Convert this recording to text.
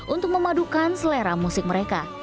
untuk memadukan selera musik mereka